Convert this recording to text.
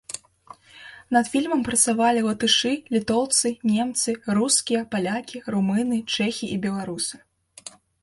Над фільмам працавалі латышы, літоўцы, немцы, рускія, палякі, румыны, чэхі і беларусы.